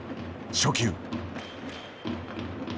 初球。